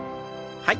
はい。